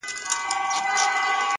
صادق زړه دروند بار نه وړي